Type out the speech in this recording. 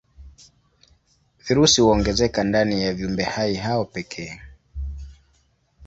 Virusi huongezeka ndani ya viumbehai hao pekee.